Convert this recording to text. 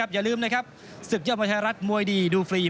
อย่าลืมศึกยัดมันชายรัฐมวยดีดูฟรี